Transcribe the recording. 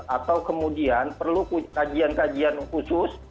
atau kemudian perlu kajian kajian khusus